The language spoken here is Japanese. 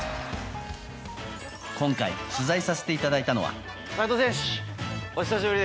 今回取材させていただいたのは。